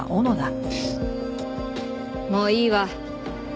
もういいわ。